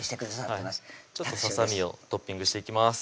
はいちょっとささみをトッピングしていきます